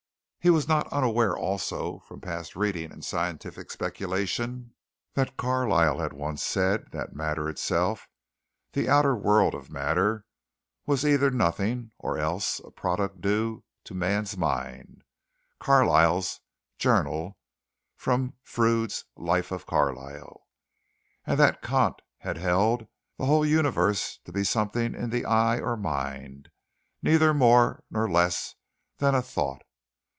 He was not unaware, also, from past reading and scientific speculation, that Carlyle had once said that "matter itself the outer world of matter, was either nothing, or else a product due to man's mind" (Carlyle's Journal, from Froude's Life of Carlyle), and that Kant had held the whole universe to be something in the eye or mind neither more nor less than a thought.